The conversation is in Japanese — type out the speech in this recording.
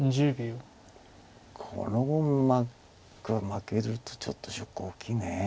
この碁を負けるとちょっとショック大きい。